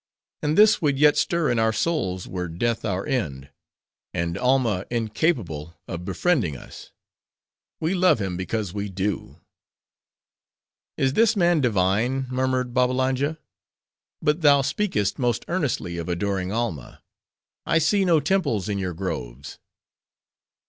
And this would yet stir in our souls, were death our end; and Alma incapable of befriending us. We love him because we do." "Is this man divine?" murmured Babbalanja. "But thou speakest most earnestly of adoring Alma:—I see no temples in your groves."